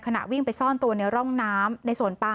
คุณผู้สายรุ่งมโสผีอายุ๔๒ปี